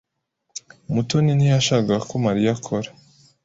Mutoni ntiyashakaga ko Mariya akora.